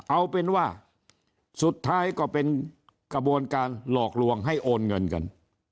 เอาเป็นว่าสุดท้ายก็เป็นกระบวนการหลอกลวงให้โอนเงินกัน